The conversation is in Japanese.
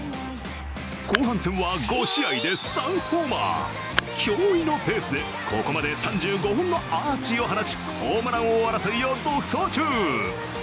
後半戦は５試合で３ホーマー、驚異のペースでここまで３５本のアーチを放ちホームラン王争いを独走中。